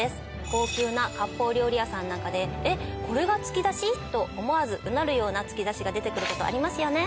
高級な割烹料理屋さんなんかで「えっこれが突き出し？」と思わずうなるような突き出しが出てくる事ありますよね。